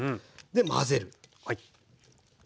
混ぜる。